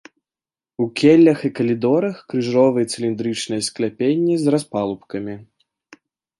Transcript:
У келлях і калідорах крыжовыя і цыліндрычныя скляпенні з распалубкамі.